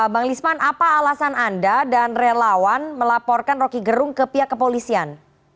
bang lisman apa alasan anda dan relawan melaporkan rocky gerung ke pihak kepolisian